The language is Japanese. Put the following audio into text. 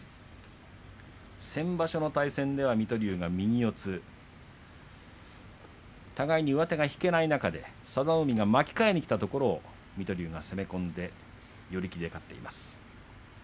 先場所の対戦では水戸龍、右四つ互いに上手が引けない中で佐田の海が巻き替えにきたところを寄り切りで水戸龍が勝っています。